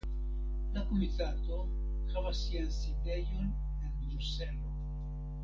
La komitato havas sian sidejon en Bruselo.